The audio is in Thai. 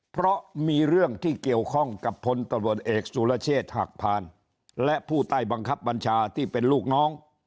เพราะมีเรื่องที่เกี่ยวข้องกับพลตำรวจเอกสุรเชษฐ์หักพานและผู้ใต้บังคับบัญชาที่เป็นลูกน้อง